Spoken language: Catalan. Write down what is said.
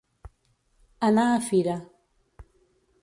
Anar a fira.